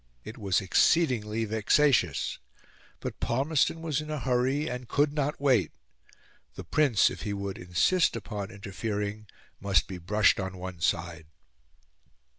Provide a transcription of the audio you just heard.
It was exceedingly vexatious; but Palmerston was in a hurry, and could not wait; the Prince, if he would insist upon interfering, must be brushed on one side.